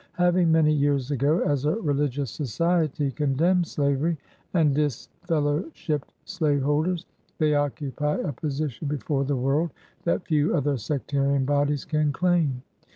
Having, many years ago, as a religious society, condemned slavery, and disfellowshipped slaveholders, they occupy a posi tion before the world that few other sectarian bodies can claim.